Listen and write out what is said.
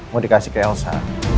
mau dikasih ke elsa